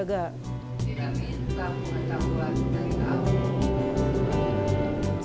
mengajarkan mulai dari cara membatik melalui wayang tokoh sukuraga